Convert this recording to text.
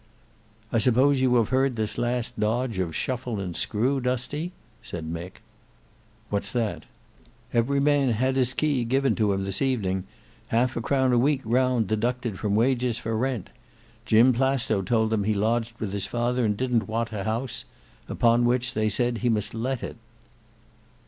"I suppose you have heard this last dodge of Shuffle and Screw, Dusty," said Mick. "What's that?" "Every man had his key given him this evening—half a crown a week round deducted from wages for rent. Jim Plastow told them he lodged with his father and didn't want a house; upon which they said he must let it."